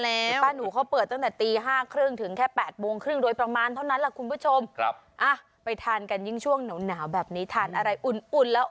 แล้วเห้าเปิดตั้งแต่ตีห้าครึ่งถึงแค่แปดโบงครึ่งโดยประมาณเท่านั้นครับถูกครับไปทานกันช่วงเหนาแบบนี้ถอนอะไรอุ่นอุ่นแล้ว